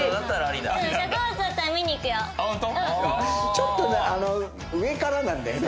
ちょっとね上からなんだよね。